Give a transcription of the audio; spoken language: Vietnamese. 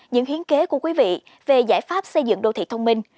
những hiến kế của quý vị về giải pháp xây dựng đô thị thông minh